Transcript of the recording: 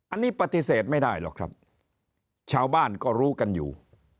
อันนี้ปฏิเสธไม่ได้หรอกครับชาวบ้านก็รู้กันอยู่